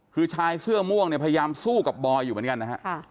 คือชายเสื้อม่วงเนี่ยพยายามสู้กับบอยอยู่เหมือนกันนะฮะ